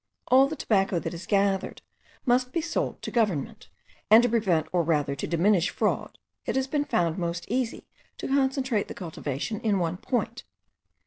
All the tobacco that is gathered must be sold to government; and to prevent, or rather to diminish fraud, it has been found most easy to concentrate the cultivation in one point.